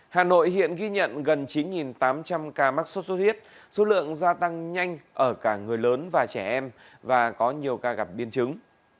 hà nội hiện ghi nhận gần chín tám trăm linh ca mắc sốt xuất huyết số lượng gia tăng nhanh ở cả người lớn và trẻ em và có nhiều ca gặp biên chứng